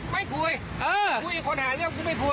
ไม่คุยคุยคนหาเรื่องกูไม่คุย